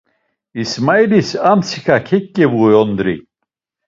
İsmailis a mtsiǩa keǩevuyondri.